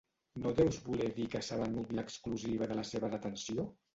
No deus voler dir que s'ha venut l'exclusiva de la seva detenció?